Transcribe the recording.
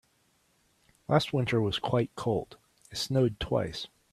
Last winter was quite cold, it snowed twice.